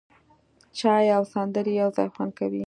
چای او سندرې یو ځای خوند کوي.